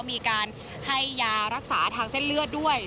มีการให้ยารักษาทางเส้นเลือดด้วย